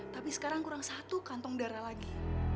tapi sekarang kurang satu kantong darah lagi